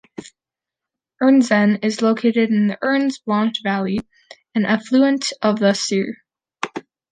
Ernzen is located in the Ernz Blanche valley, an affluent of the Sûre.